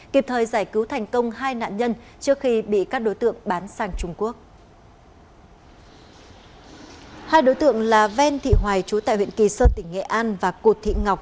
kịp thời giải cứu thành công hai năm